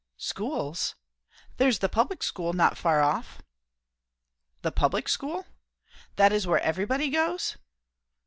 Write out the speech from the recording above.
"Schools? There's the public school, not far off." "The public school? That is where everybody goes?"